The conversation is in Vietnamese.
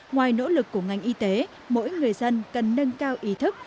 ngoài nỗ lực của ngành y tế mỗi người dân cần nâng cao ý thức